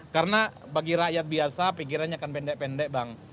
karena bagi rakyat biasa pikirannya akan pendek pendek bang